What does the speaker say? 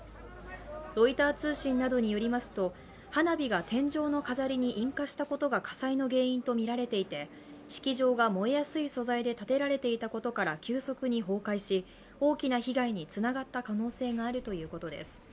ロイター通信などによりますと花火が天井の飾りに引火したことが火災の原因とみられていて式場が燃えやすい素材で建てられていたことから急速に崩壊し、大きな被害につながった可能性があるということです。